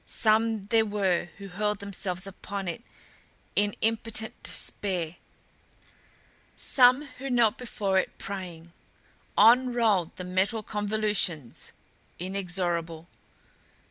Some there were who hurled themselves upon it in impotent despair, some who knelt before it, praying. On rolled the metal convolutions, inexorable.